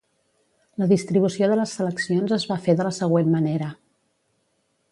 La distribució de les seleccions es va fer de la següent manera.